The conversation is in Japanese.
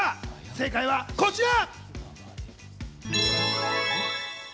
正解はこちら！